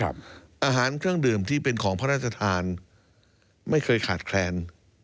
อาหารเครื่องดื่มที่เป็นของพระราชทานไม่เคยขาดแคลน